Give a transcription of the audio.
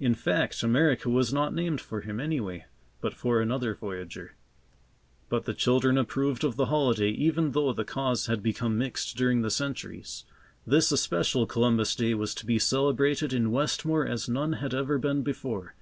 In fact, America was not named for him, anyway, but for another voyager. But the children approved of the holiday even though the cause had become mixed during the centuries. This especial Columbus Day was to be celebrated in Westmore as none had ever been before.